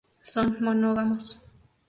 Son monógamos.